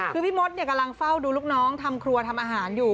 คือพี่มดกำลังเฝ้าดูลูกน้องทำครัวทำอาหารอยู่